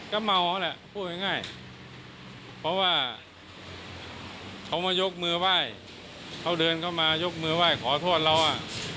ก็เมาแหละพูดง่ายเพราะว่าเขามายกมือไหว้เขาเดินเข้ามายกมือไหว้ขอโทษเราอ่ะ